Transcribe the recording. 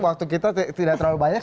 waktu kita tidak terlalu banyak